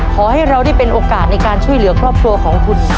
ขอให้เราได้เป็นโอกาสในการช่วยเหลือครอบครัวของคุณ